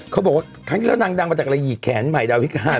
เขาบอกว่าครั้งที่แล้วนางดังมาจากอะไรหยิกแขนใหม่ดาวิกา